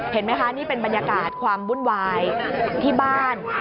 เห็นไหมคะนี่เป็นบรรยากาศความวุ่นวายที่บ้าน